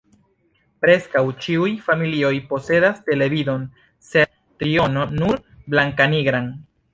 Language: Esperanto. Preskaŭ ĉiuj familioj posedas televidon sed triono nur blankanigran.